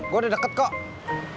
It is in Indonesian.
gue udah deket kok